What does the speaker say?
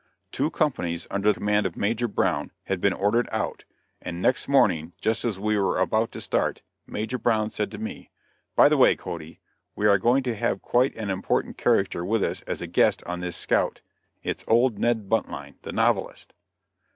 Two companies, under command of Major Brown, had been ordered out, and next morning, just as we were about to start, Major Brown said to me: "By the way, Cody, we are going to have quite an important character with us as a guest on this scout. It's old Ned Buntline, the novelist."